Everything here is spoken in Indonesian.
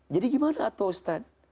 jadi gimana atuh ustadz